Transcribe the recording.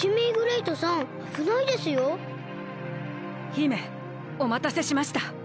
姫おまたせしました。